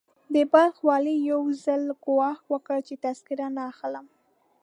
د بلخ والي يو ځل ګواښ وکړ چې تذکره نه اخلم.